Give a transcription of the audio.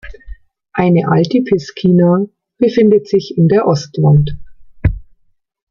Eine alte Piscina befindet sich in der Ostwand.